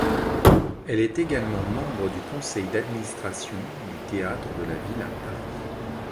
Elle est également membre du conseil d'administration du Théâtre de la Ville à Paris.